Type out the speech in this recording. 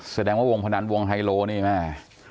แสดงว่าวงพนันวงไฮโลนี่แม่